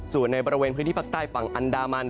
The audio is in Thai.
ส่วนในบริเวณพื้นที่ภาคใต้ฝั่งอันดามัน